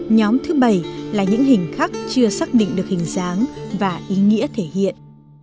nhóm thứ bảy là những hình khắc chưa xác định được hình dáng và ý nghĩa thể hiện